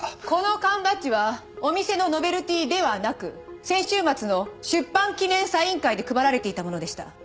この缶バッジはお店のノベルティーではなく先週末の出版記念サイン会で配られていたものでした。